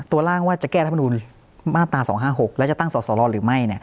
ร่างว่าจะแก้รัฐมนุนมาตรา๒๕๖แล้วจะตั้งสอสรหรือไม่